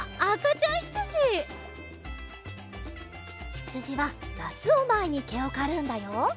ひつじはなつをまえにけをかるんだよ。